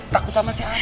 takut sama siapa